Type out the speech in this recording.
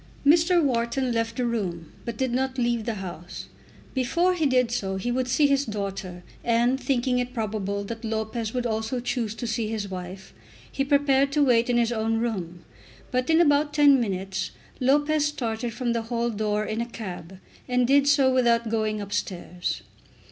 Mr. Wharton left the room, but did not leave the house. Before he did so he would see his daughter; and, thinking it probable that Lopez would also choose to see his wife, he prepared to wait in his own room. But, in about ten minutes, Lopez started from the hall door in a cab, and did so without going upstairs.